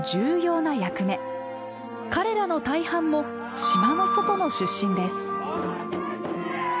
彼らの大半も島の外の出身です。